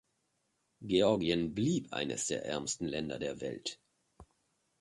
Georgien blieb eines der ärmsten Länder der Welt.